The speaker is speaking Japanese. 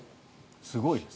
すごいです。